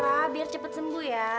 lara biar cepet sembuh ya